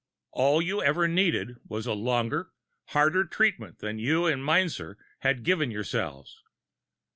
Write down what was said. All you ever needed was a longer, harder treatment than you and Meinzer had given yourselves.